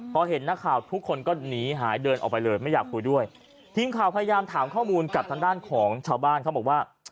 พอเห็นนักข่าวทุกคนก็หนีหายเดินออกไปเลยไม่อยากคุยด้วยทีมข่าวพยายามถามข้อมูลกับทางด้านของชาวบ้านเขาบอกว่า